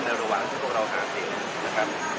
ในระหว่างที่พวกเราจะทำเองนะครับ